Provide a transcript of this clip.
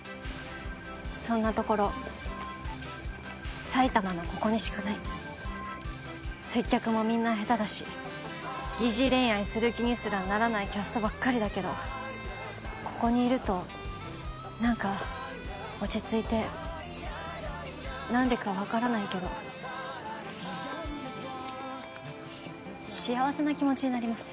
そんなところ埼玉のここにしかない接客もみんなヘタだし疑似恋愛する気にすらならないキャストばっかりだけどここにいると何か落ち着いて何でか分からないけど幸せな気持ちになります